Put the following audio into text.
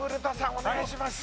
お願いします。